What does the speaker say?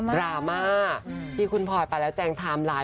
ราม่าที่คุณพลอยไปแล้วแจงไทม์ไลน์